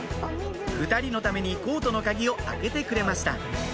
２人のためにコートの鍵を開けてくれました